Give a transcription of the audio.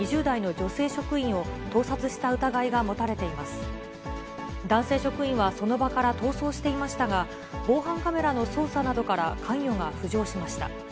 男性職員はその場から逃走していましたが、防犯カメラの捜査などから関与が浮上しました。